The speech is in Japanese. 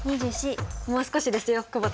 もう少しですよ久保田さん。